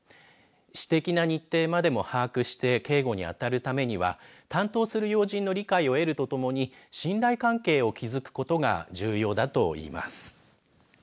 私的な日程までも把握して警護に当たるためには担当する要人の理解を得るとともに信頼関係を築くことが重要だといいます。